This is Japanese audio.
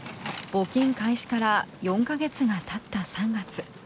募金開始から４カ月が経った３月。